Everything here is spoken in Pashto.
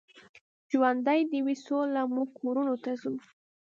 ژوندۍ دې وي سوله، موږ کورونو ته ځو.